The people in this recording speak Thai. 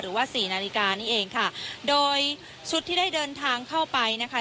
หรือว่าสี่นาฬิกานี่เองค่ะโดยชุดที่ได้เดินทางเข้าไปนะคะ